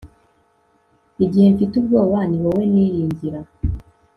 igihe mfite ubwoba, ni wowe niringira